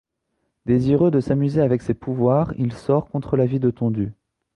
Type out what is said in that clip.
Désireux de s'amuser avec ses pouvoirs, il sort contre l'avis de Tondu.